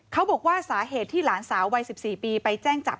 เขาบอกว่าสาเหตุที่หลานสาววัย๑๔ปีไปแจ้งจับ